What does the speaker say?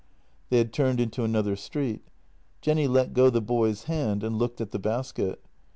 They had turned into another street. Jenny let go the boy's hand and looked at the basket.